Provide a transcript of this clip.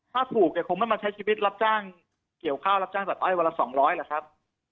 ถ้าถูกเนี่ยคงเข้ามาใช้ชีวิตทรับจ้างเกี่ยวข้าวรับจ้างอายุเวลา๒๐๐ล่ะครับ